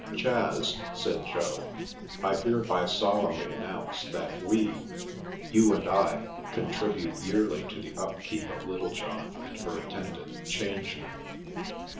" Chas," said Jo, " I hereby solemnly announce that we — you and I— contribute yearly to the upkeep of Little john and her attendant, Changeling.